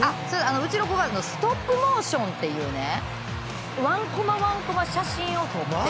うちの子がストップモーションっていう１こま１こま写真を撮って。